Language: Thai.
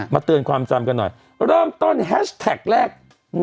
เตือนความจำกันหน่อยเริ่มต้นแฮชแท็กแรก